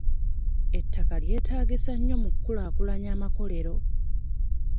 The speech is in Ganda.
Ettaka lyetaagisa nnyo mu ku kulaakulanya amakolero.